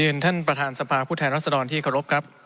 รียินท่านประธานสภาพูธภ์ไทยรัศดรที่ครบครับ